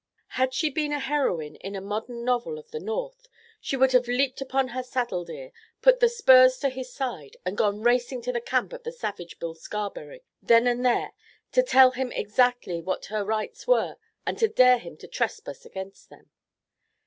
Had she been a heroine in a modern novel of the North, she would have leaped upon her saddle deer, put the spurs to his side, and gone racing to the camp of the savage Bill Scarberry, then and there to tell him exactly what her rights were and to dare him to trespass against them.